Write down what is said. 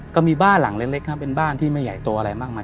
ก็มีบ้านหลังเล็กครับเป็นบ้านที่ไม่ใหญ่โตอะไรมากมาย